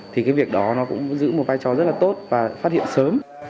thì cái việc đó nó cũng giữ một vai trò rất là tốt và phát hiện sớm